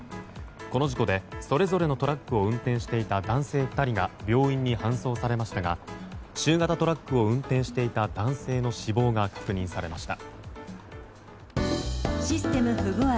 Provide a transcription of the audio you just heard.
この事故でそれぞれのトラックを運転していた男性２人が病院に搬送されましたが中型トラックを運転していた男性の死亡が確認されました。